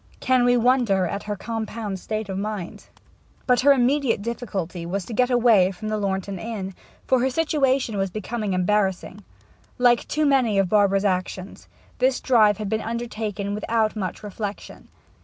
Can we wonder at her compound state of mind? But her immediate difficulty was to get away from Lornton Inn, for her situation was becoming embarrassing. Like too many of Barbara's actions, this drive had been undertaken without much reflection.